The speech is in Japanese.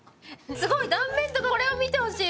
すごい、断面とか見てほしい。